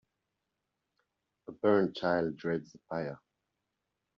A burnt child dreads the fire.